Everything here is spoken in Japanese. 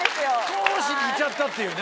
少し似ちゃったっていうね。